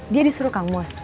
dia disuruh kang mus